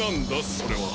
それは。